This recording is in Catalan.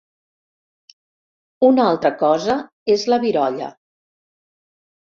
Una altra cosa és la virolla.